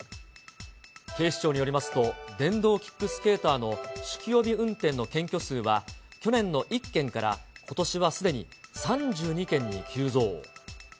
警視庁によりますと、電動キックスケーターの酒気帯び運転の検挙数は、去年の１件から、ことしはすでに３２件に急増。